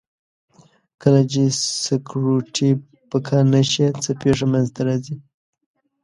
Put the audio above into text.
کله چې سکروټې پکه نه شي څه پېښه منځ ته راځي؟